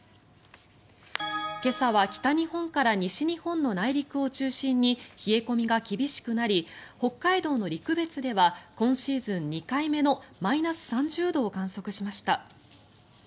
今朝は北日本から西日本の内陸を中心に冷え込みが厳しくなり北海道の陸別では今シーズン２回目のマイナス３０度を観測しました。